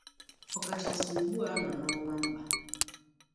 ọkachasị ugbua a nọ n'ọnwa mbà